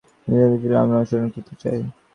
এই জাতিবিভাগ-প্রণালীই আমরা অনুসরণ করতে চাই।